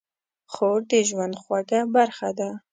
خور د ژوند خوږه برخه ده.